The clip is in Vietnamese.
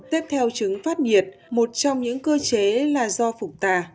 tiếp theo chứng phát nhiệt một trong những cơ chế là do phục tà